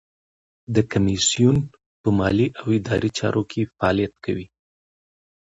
د کمیسیون په مالي او اداري چارو کې فعالیت کوي.